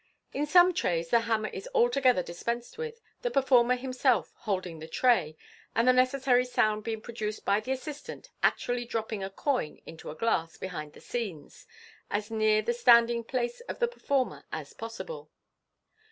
In some trays the hammer is alto gether dispensed with, the performer himself holding the tray, and the necessary sound being produced by the assistant actually dropping a coin into a glass behind the scenes, as near the standing place of the performer as possible.